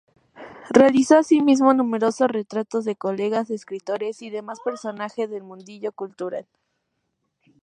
Realizó así mismo numerosos retratos de colegas, escritores y demás personajes del mundillo cultural.